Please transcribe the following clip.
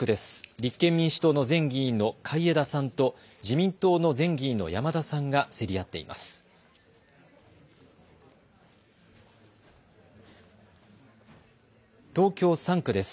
立憲民主党の前議員の海江田さんと自民党の前議員の山田さんが競り合っています。